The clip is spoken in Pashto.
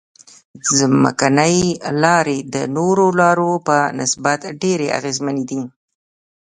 ځمکنۍ لارې د نورو لارو په نسبت ډېرې اغیزمنې دي